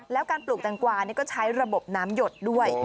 แล้วการปลูกแตงกวานี่ก็ใช้ระบบน้ำหยดด้วย